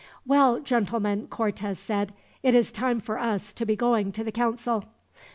"Well, gentlemen," Cortez said, "it is time for us to be going to the council.